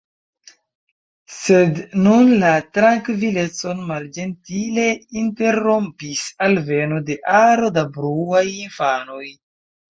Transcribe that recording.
Sed nun la trankvilecon malĝentile interrompis alveno de aro da bruaj infanoj.